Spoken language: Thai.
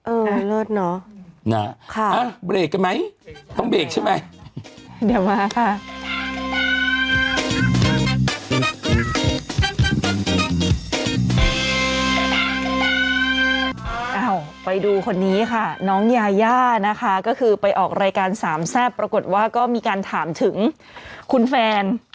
เออเลิศเนอะเอ้าไปดูคนนี้ค่ะน้องยาย่านะคะก็คือไปออกรายการสามแซ่บปรากฏว่าก็มีการถามถึงคุณแฟน